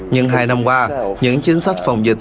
hai năm qua những chính sách phòng dịch